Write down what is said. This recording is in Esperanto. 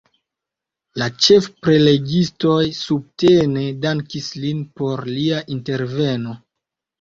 La ĉefprelegistoj subtene dankis lin por lia interveno.